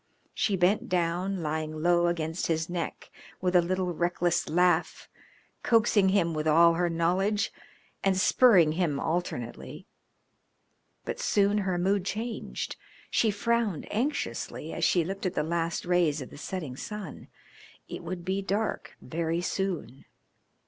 She bent down, lying low against his neck with a little, reckless laugh, coaxing him with all her knowledge and spurring him alternately. But soon her mood changed. She frowned anxiously as she looked at the last rays of the setting sun. It would be dark very soon.